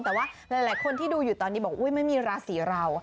แต่ว่าหลายคนที่ดูอยู่ตอนนี้บอกอุ๊ยไม่มีราศีเรา